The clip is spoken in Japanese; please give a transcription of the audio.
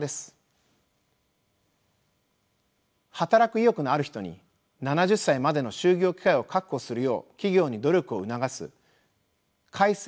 働く意欲のある人に７０歳までの就業機会を確保するよう企業に努力を促す改正